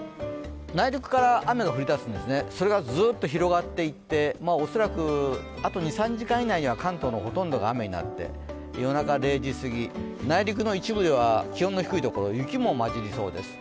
内陸から雨が降りだすんですね、それがずっと広がっていって恐らくあと２３時間以内には関東のほとんどが雨になって夜中０時すぎ、内陸の一部では気温の低い所、雪も交じりそうです。